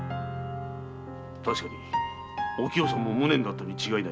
確かにおきよさんも無念だったに違いない。